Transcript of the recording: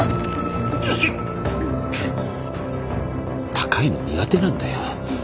高いの苦手なんだよ。